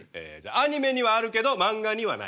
アニメにはあるけど漫画にはない。